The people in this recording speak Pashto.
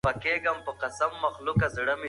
زما ورور وویل چې نن د غره هوا ډېره سړه ده.